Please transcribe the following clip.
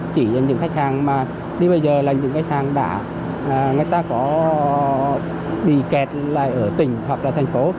chỉ là những khách hàng mà như bây giờ là những khách hàng đã người ta có bị kẹt lại ở tỉnh hoặc là thành phố